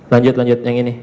lanjut lanjut yang ini